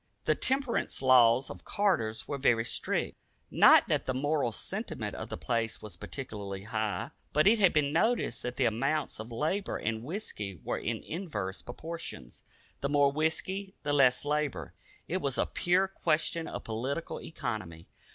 The temperance laws of Carter's were very strict. Not that the moral sentiment of the place was particularly high, but it had been noticed that the amounts of labor and whisky were in inverse proportion. The more whisky, the less labor. It was a pure question of political economy.